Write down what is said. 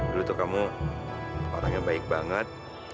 dulu tuh kamu orang yang baik banget